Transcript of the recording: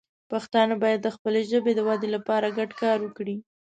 پښتانه باید د خپلې ژبې د وده لپاره ګډ کار وکړي.